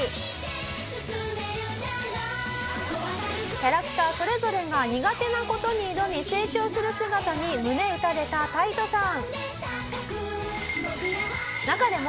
キャラクターそれぞれが苦手な事に挑み成長する姿に胸打たれたタイトさん。